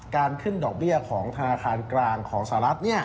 การขึ้นดอกเบี้ยของธนาคารกลางของสหรัฐ